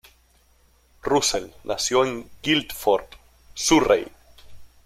Russell nació en Guildford, Surrey.